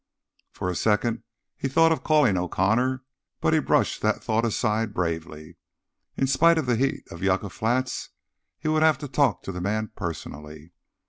For a second he thought of calling O'Connor, but he brushed that thought aside bravely. In spite of the heat of Yucca Flats, he would have to talk to the man personally.